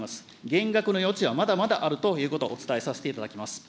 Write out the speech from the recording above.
減額の余地はまだまだあるということ、お伝えさせていただきます。